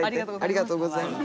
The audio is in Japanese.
ありがとうございます。